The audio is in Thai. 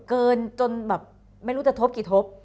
จนแบบไม่รู้จะทบกี่ทบ